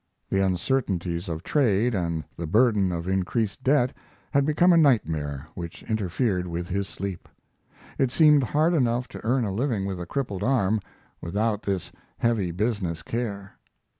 The uncertainties of trade and the burden of increased debt had become a nightmare which interfered with his sleep. It seemed hard enough to earn a living with a crippled arm, without this heavy business care.